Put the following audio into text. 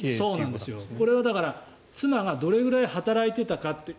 だから、これは妻がどれくらい働いていたかという。